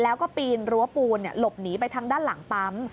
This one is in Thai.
แล้วก็ปีนรั้วปูนหลบหนีไปทางด้านหลังปั๊ม